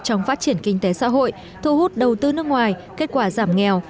trong phát triển kinh tế xã hội thu hút đầu tư nước ngoài kết quả giảm nghèo